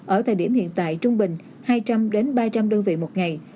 ở thời điểm hiện tại trung bình hai trăm linh ba trăm linh đơn vị một ngày